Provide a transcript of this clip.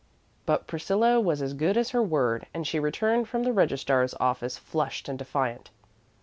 But Priscilla was as good as her word, and she returned from the registrar's office flushed and defiant.